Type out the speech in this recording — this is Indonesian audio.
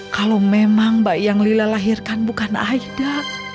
kalau memang baik yang lila lahirkan bukan aida